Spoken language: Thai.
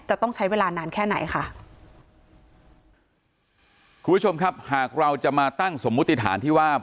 จะต้องใช้เวลานานแค่ไหนค่ะคุณผู้ชมครับหากเราจะมาตั้งสมมุติฐานที่ว่า